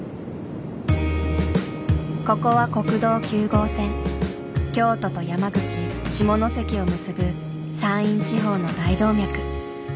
ここは京都と山口・下関を結ぶ山陰地方の大動脈。